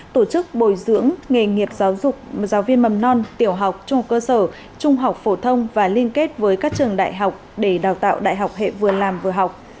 tổ chức bồi dưỡng nghề nghiệp giáo dục giáo viên mầm non tiểu học trung học cơ sở trung học phổ thông và liên kết với các trường đại học để đào tạo đại học hệ vừa làm vừa học